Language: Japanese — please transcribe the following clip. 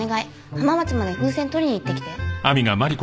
浜松まで風船取りに行ってきて。